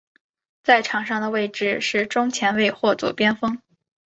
在场上的位置是中前卫或左边锋。